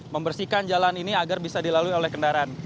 menjalan ini agar bisa dilalui oleh kendaraan